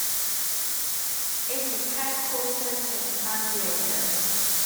It is headquartered in San Diego.